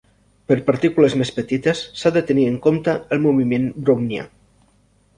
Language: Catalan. Per partícules més petites s'ha de tenir en compte el moviment Brownià.